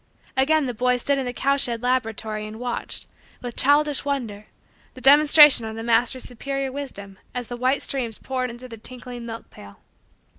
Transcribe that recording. Again the boy stood in the cow shed laboratory and watched, with childish wonder, the demonstration of the master's superior wisdom as the white streams poured into the tinkling milk pail.